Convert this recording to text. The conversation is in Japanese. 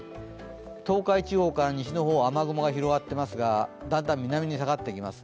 東海地方から西の方は雨雲が広がっていますが、だんだん南に下がってきます。